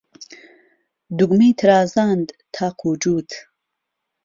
دوگمەی ترازاند تاق و جووت